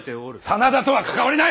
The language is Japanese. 真田とは関わりない！